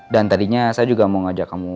dan tadinya saya juga mau ngajak kamu